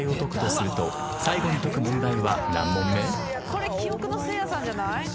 これ記憶のせいやさんじゃない？